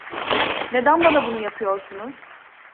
Neden bana bunu yapıyorsunuz?